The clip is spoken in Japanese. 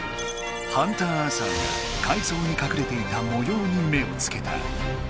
ハンターアーサーがかいそうにかくれていたもように目をつけた。